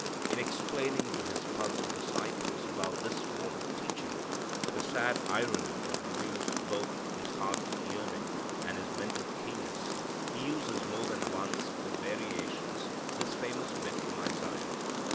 In explaining to His puzzled disciples about this form of teaching, with a sad irony that reveals both His heart's yearning and His mental keenness, He uses more than once with variations this famous bit from Isaiah.